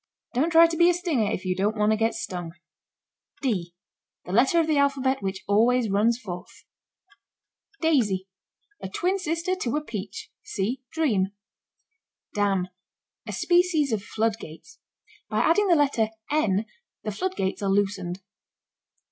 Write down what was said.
Don't try to be a stinger if you don't want to get stung. ### D: The letter of the alphabet which always runs fourth. ###DAISY. A twin sister to a peach. See Dream. DAM. A species of floodgates. By adding the letter "n" the floodgates are loosened.